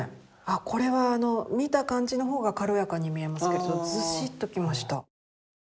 これは見た感じの方が軽やかに見えますけどずしっときました。